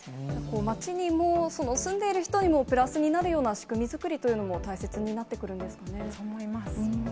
街にも、住んでいる人にも、プラスになるような仕組み作りというのも大切になってくるんですそう思います。